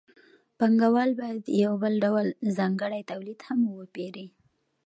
پانګوال باید یو بل ډول ځانګړی توکی هم وپېري